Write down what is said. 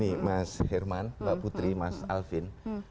ini mas herman mbak putri mas alvin